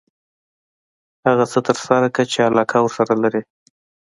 هغه څه ترسره کړه چې علاقه ورسره لري .